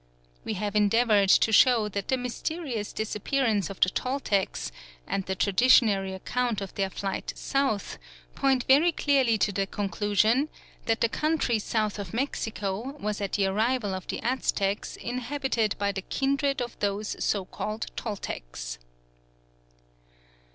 We have endeavoured to show that the mysterious disappearance of the Toltecs and the traditionary account of their flight south point very clearly to the conclusion that the country south of Mexico was at the arrival of the Aztecs inhabited by the kindred of these so called Toltecs.